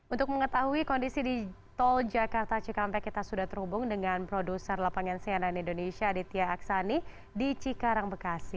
untuk mengetahui kondisi di tol jakarta cikampek kita sudah terhubung dengan produser lapangan cnn indonesia aditya aksani di cikarang bekasi